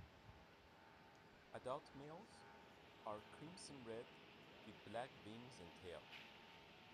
Adult males are crimson-red with black wings and tail.